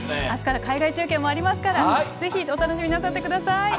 あすから海外中継もありますからぜひ、お楽しみになさってください。